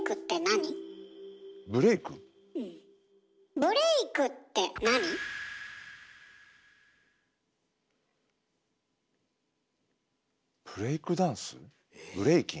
ブレイクダンスブレイキン？